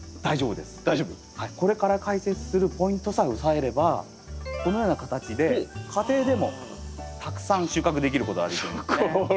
これから解説するポイントさえ押さえればこのような形で家庭でもたくさん収穫できることあると思いますね。